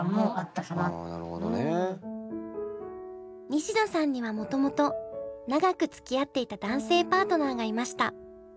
西野さんにはもともと長くつきあっていた男性パートナーがいました。